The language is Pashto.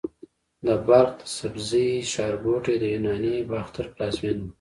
د بلخ د سبزې ښارګوټي د یوناني باختر پلازمېنه وه